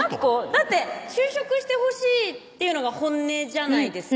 だって就職してほしいっていうのが本音じゃないですか